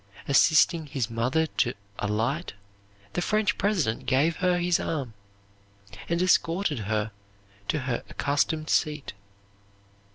Assisting his mother to alight, the French President gave her his arm and escorted her to her accustomed seat.